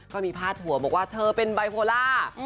ก็มีพาดหัวบอกว่าเธอเป็นไบโพลาร์